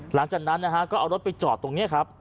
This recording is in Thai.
หลังจากนั้นนะฮะก็เอารถไปจอดตรงนี้ครับ